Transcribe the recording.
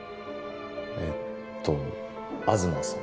えっと東さん